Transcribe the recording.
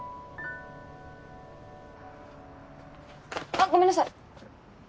あっごめんなさい！